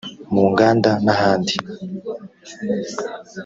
mu nganda n’ahandi